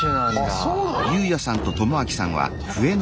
あそうなの？